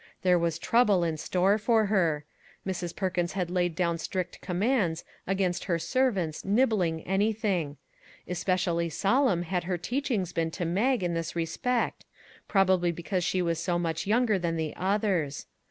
There was trouble in store for her. Mrs. Per kins had laid down strict commands against her servants " nibbling " anything. Especially solemn had her teachings been to Mag in this 77 MAG AND MARGARET respect, probably because she was so much younger than the others.